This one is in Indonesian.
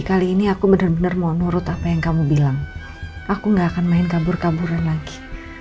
kali ini aku bener mamurut apa yang kamu bilang aku gak keyurah kabur kabur lagi